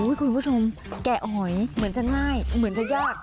คุณผู้ชมแกะหอยเหมือนจะง่ายเหมือนจะยาก